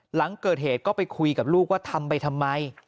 หลังเกิดเหตุก็ไปคุยกับลูกว่าทำไปทำไม